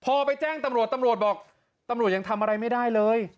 พอไปแจ้งตำรวจตำรวจบอกตำรวจยังทำอะไรไม่ได้เลย